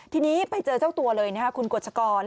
ทีนี้ไปเจอเจ้าตัวเลยนะครับคุณกฎชกร